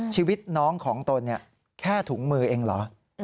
ชีวิตน้องของตนแค่ถุงมือเองเหรอ